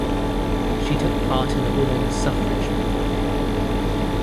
She took part in the Women's Suffrage movement.